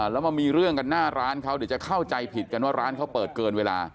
แล้วมามีเรื่องกันหน้าร้านเขาเดี๋ยวจะเข้าใจผิดกันว่าร้านเขาเปิดเกินเวลา